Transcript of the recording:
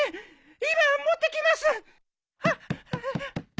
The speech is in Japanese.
今持ってきます。